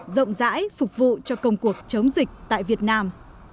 rộng rãi phục vụ cho công cuộc chống dịch tại việt nam